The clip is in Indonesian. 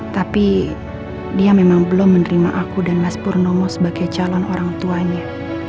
tapi dia memang belum menerima aku dan mas purnomo sebagai calon orang tuanya